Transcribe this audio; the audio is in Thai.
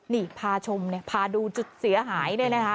นี่พาชมเนี่ยพาดูจุดเสียหายเนี่ยนะคะ